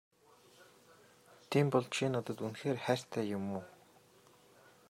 Тийм бол чи надад үнэхээр хайртай юм уу?